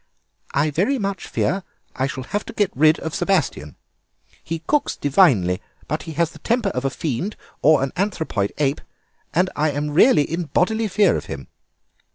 "'I very much fear I shall have to get rid of Sebastien. He cooks divinely, but he has the temper of a fiend or an anthropoid ape, and I am really in bodily fear of him.